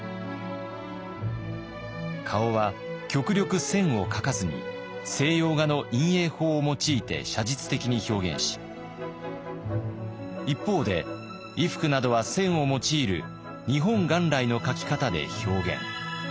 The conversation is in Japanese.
顔は極力線を描かずに西洋画の陰影法を用いて写実的に表現し一方で衣服などは線を用いる日本元来の描き方で表現。